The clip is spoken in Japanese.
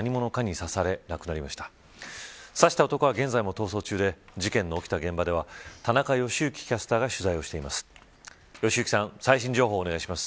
刺した男は現在も逃走中で事件の起きた現場では田中良幸キャスターが取材しています。